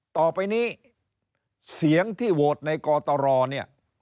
ต่อไปนี้เสียงที่โหวตในกตรเนี่ย